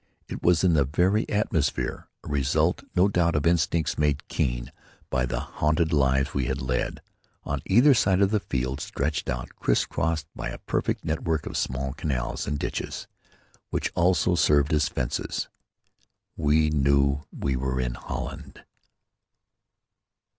It was in the very atmosphere, a result no doubt of instincts made keen by the hunted lives we had led. On either side the fields stretched out, criss crossed by a perfect network of small canals and ditches, which also served as fences. We knew we were in Holland.